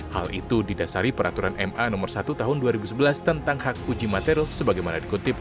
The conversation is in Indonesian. hal itu didasari peraturan ma nomor satu tahun dua ribu sebelas tentang hak uji materi sebagaimana dikutip